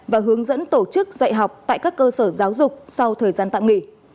và hướng dẫn tổ chức dạy học tại các cơ sở giáo dục sau thời gian tạm nghỉ